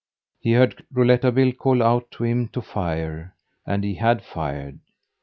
He heard Rouletabille call out to him to fire, and he had fired.